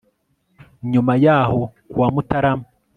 nyuma yaho ku wa mutarama